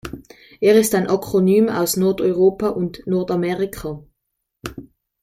Er ist ein Akronym aus Nordeuropa und Nordamerika.